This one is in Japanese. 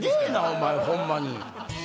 お前ホンマに。